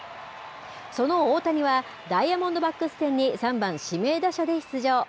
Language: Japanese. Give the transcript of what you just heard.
その大谷は、ダイヤモンドバックス戦に、３番指名打者で出場。